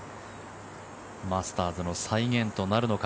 マスターズの再現となるのか。